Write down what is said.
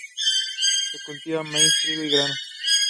The team in its entirety switched to the rugby league code.